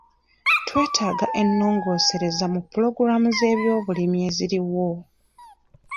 Twetaaga ennongoosereza mu pulogulaamu z'ebyobulimi eziriwo.